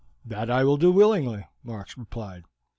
"That I will do willingly," Mark replied.